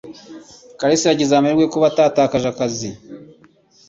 kalisa yagize amahirwe kuba atatakaje akazi.